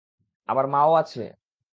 আবার মাও আছে?